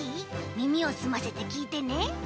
みみをすませてきいてね！